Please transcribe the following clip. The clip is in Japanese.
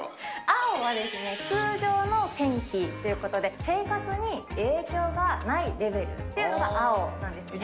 青は通常の天気ということで、生活に影響がないレベルというのが青なんですね。